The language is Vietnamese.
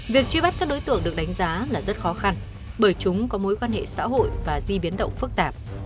việc truy bắt các đối tượng được đánh giá là rất khó khăn bởi chúng có mối quan hệ xã hội và di biến động phức tạp